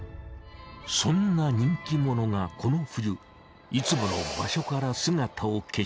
そんな人気者がこの冬いつもの場所から姿を消した。